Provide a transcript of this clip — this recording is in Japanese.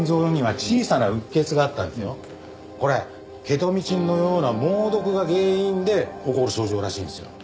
これケトミチンのような猛毒が原因で起こる症状らしいんですよ。